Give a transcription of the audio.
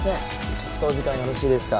ちょっとお時間よろしいですか？